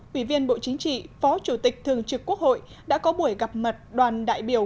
quỷ viên bộ chính trị phó chủ tịch thường trực quốc hội đã có buổi gặp mặt đoàn đại biểu